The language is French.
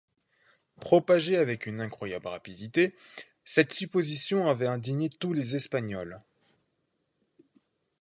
Propagée avec une incroyable rapidité, cette supposition avait indigné tous les Espagnols.